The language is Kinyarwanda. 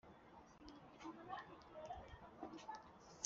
Itsembabwoko ryakorewe Abatutsi